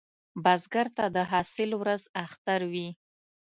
بزګر ته د حاصل ورځ اختر وي